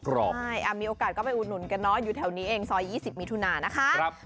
ใช่มีโอกาสก็ไปอุดหนุนกันเนาะอยู่แถวนี้เองซอย๒๐มิถุนานะคะ